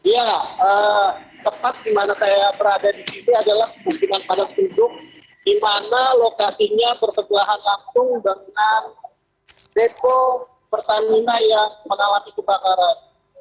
ya tempat di mana saya berada di sini adalah musim panas hidup di mana lokasinya bersebelahan langsung dengan depo pertamina yang menawar kebakaran